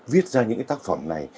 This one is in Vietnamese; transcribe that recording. viết ra những cái tác phẩm này